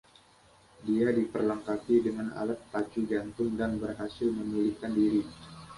Dia diperlengkapi dengan alat pacu jantung dan berhasil memulihkan diri.